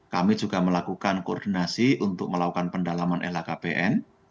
kami juga melakukan koordinasi untuk melakukan pendalaman lhkpn